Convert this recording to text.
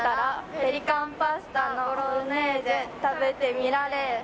「ペリカンパスタボロネーゼ食べてみられぇ！」